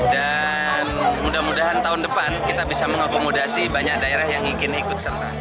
dan mudah mudahan tahun depan kita bisa mengakomodasi banyak daerah yang ingin ikut serta